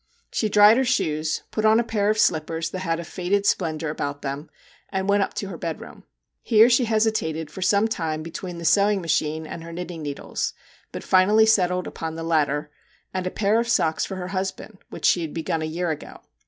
She dried her shoes, put on a pair of slippers that had a faded splendour about them, and went up to her bedroom. Here she hesitated for some time between the sewing machine and her knitting needles, but finally settled upon the latter and a pair of socks for her husband which she had begun a year ago.